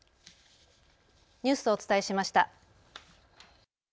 ニュースをお伝えしました。